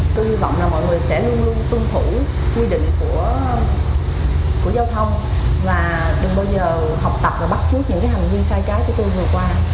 tôi hy vọng là mọi người sẽ luôn luôn tuân thủ quy định của giao thông và đừng bao giờ học tập và bắt trước những hành vi sai trái của tôi vừa qua